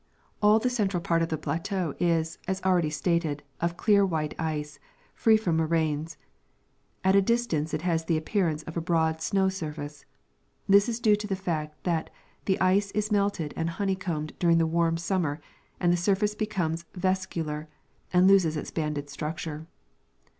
All the central part of the plateau is, as already stated, of clear white ice, free from moraines ; at a distance it has the appearance of a broad snow surface. This is due to the fact that the ice is melted and honey combed during the warm summer and the surface becomes vesicular and loses its. banded structure.